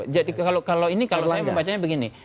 jadi kalau ini kalau saya membacanya begini